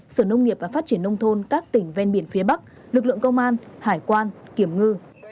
sở nông nghiệp và phát triển nông thôn các tỉnh ven biển phía bắc lực lượng công an hải quan kiểm ngư